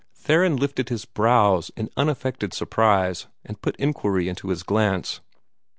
Theron lifted his brows in unaffected surprise, and put inquiry into his glance.